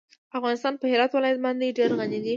افغانستان په هرات ولایت باندې ډېر غني دی.